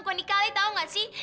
kok di kali tau gak sih